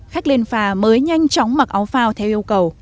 khách lên phà mới nhanh chóng mặc áo phao theo yêu cầu